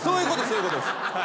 そういうことです。